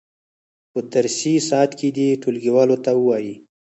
په درسي ساعت کې دې ټولګیوالو ته ووایي.